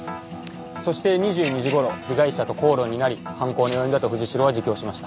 そして２２時ごろ被害者と口論になり犯行に及んだと藤代は自供しました。